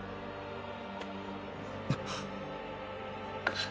あっ。